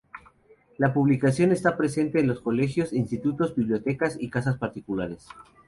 La publicación está presente en los colegios, institutos, bibliotecas y casas particulares.